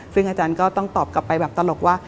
ซึ่งอาจารย์ก็ต้องตอบกลับไปแบบตลกว่า